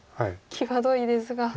際どいです。